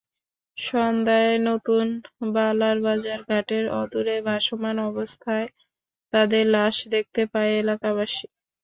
সন্ধ্যায় নতুন বালারবাজার ঘাটের অদূরে ভাসমান অবস্থায় তাদের লাশ দেখতে পায় এলাকাবাসী।